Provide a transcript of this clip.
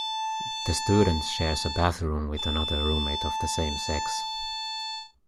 The student shares a bathroom with another roommate of the same sex.